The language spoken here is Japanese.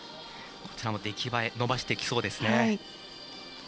こちらも出来栄え伸ばしてきそうですね。